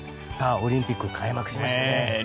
オリンピック開幕しましたね。